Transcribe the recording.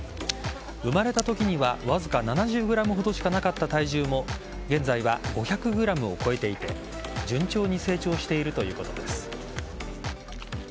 生まれた時にはわずか７０ｇほどしかなかった体重も現在は５００ｇを超えていて順調に成長しているということです。